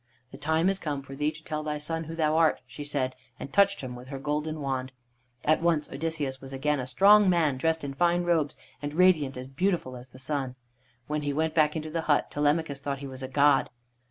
"The time is come for thee to tell thy son who thou art," she said, and touched him with her golden wand. At once Odysseus was again a strong man, dressed in fine robes, and radiant and beautiful as the sun. When he went back into the hut Telemachus thought he was a god.